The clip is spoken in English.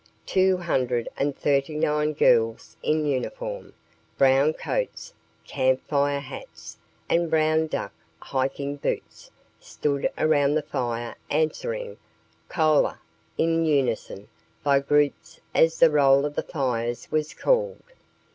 Two hundred and thirty nine girls in uniform, brown coats, campfire hats, and brown duck hiking boots, stood around the fire answering "Kolah" in unison by groups as the roll of the Fires was called.